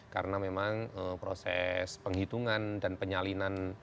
karena memang proses penghitungan dan penyalinan